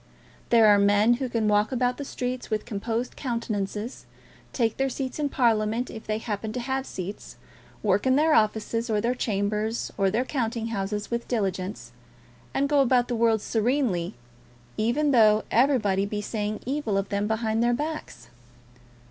There are men who can walk about the streets with composed countenances, take their seats in Parliament if they happen to have seats, work in their offices, or their chambers, or their counting houses with diligence, and go about the world serenely, even though everybody be saying evil of them behind their backs.